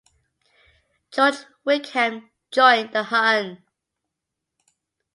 George Whigham joined the Hon.